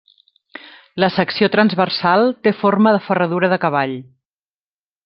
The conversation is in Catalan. La secció transversal té forma de ferradura de cavall.